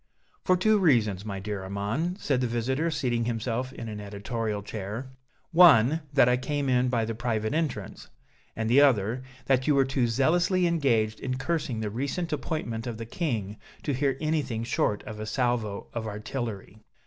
"For two reasons, my dear Armand," said the visitor, seating himself in an editorial chair: "one, that I came in by the private entrance, and the other, that you were too zealously engaged in cursing the recent appointment of the King to hear anything short of a salvo of artillery."